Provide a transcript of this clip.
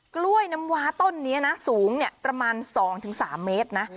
กล้วยน้ำวาต้นนี้นะสูงประมาณ๒๓เมตรนะ